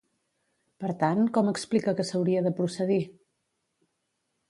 Per tant, com explica que s'hauria de procedir?